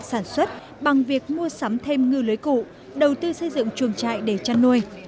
bà con đã bắt đầu ổn định sản xuất bằng việc mua sắm thêm ngư lưỡi cũ đầu tư xây dựng chuồng trại để chăn nuôi